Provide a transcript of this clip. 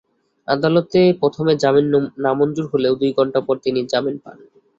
আদালতে প্রথমে জামিন নামঞ্জুর হলেও দুই ঘণ্টা পর তিনি জামিন পান।